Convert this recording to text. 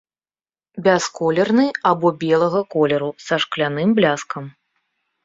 Бясколерны або белага колеру, са шкляным бляскам.